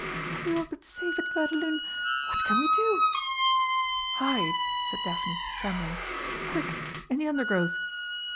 "If we were but safe at Clairdelune! What can we do?" "Hide," said Daphne, trembling. "Quick! In the undergrowth!"